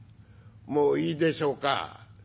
もういいでしょうか？」。